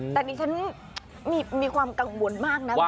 แต่ดิฉันมีความกังวลมากนะคุณ